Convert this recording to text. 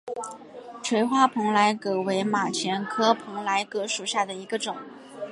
垂花蓬莱葛为马钱科蓬莱葛属下的一个种。